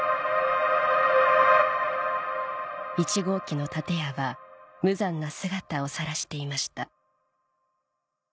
１号機の建屋は無残な姿をさらしていました